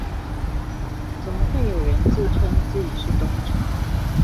怎麼會有人自稱自己是東廠？